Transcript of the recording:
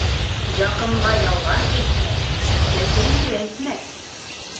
Яҡынға ялған әйтмә, ситкә сереңде әйтмә.